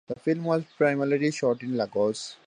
The film was primarily shot in Lagos.